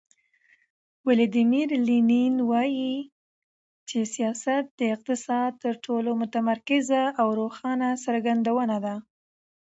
ولادیمیر لینین وایي چې سیاست د اقتصاد تر ټولو متمرکزه او روښانه څرګندونه ده.